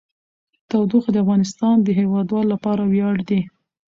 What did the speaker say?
تودوخه د افغانستان د هیوادوالو لپاره ویاړ دی.